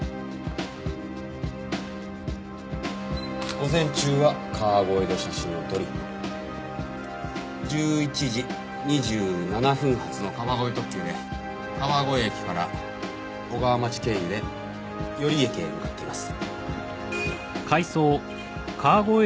午前中は川越で写真を撮り１１時２７分発の川越特急で川越駅から小川町経由で寄居駅へ向かっています。